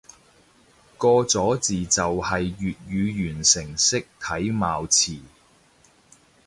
個咗字就係粵語完成式體貌詞